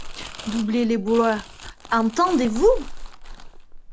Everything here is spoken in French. Doublez les bois, entendez-vous !